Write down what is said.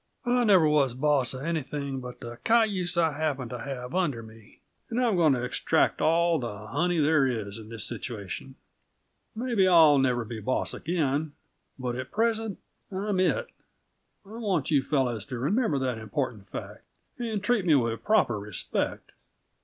I never was boss of anything but the cayuse I happened to have under me, and I'm going to extract all the honey there is in the situation. Maybe I'll never be boss again but at present I'm it. I want you fellows to remember that important fact, and treat me with proper respect.